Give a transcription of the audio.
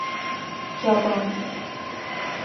Japan